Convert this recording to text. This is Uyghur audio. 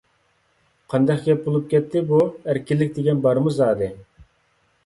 قانداق گەپ بولۇپ كەتتى بۇ؟ ئەركىنلىك دېگەن بارمۇ زادى؟